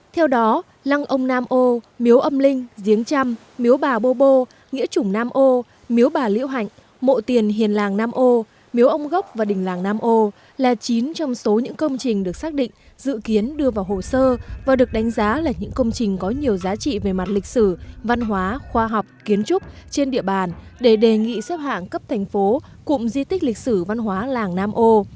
theo đó lăng ông nam ô miếu âm linh diếng trăm miếu bà bô bô nghĩa chủng nam ô miếu bà liễu hạnh mộ tiền hiền làng nam ô miếu ông gốc và đình làng nam ô là chín trong số những công trình được xác định dự kiến đưa vào hồ sơ và được đánh giá là những công trình có nhiều giá trị về mặt lịch sử văn hóa khoa học kiến trúc trên địa bàn để đề nghị xếp hạng cấp thành phố cụm di tích lịch sử văn hóa làng nam ô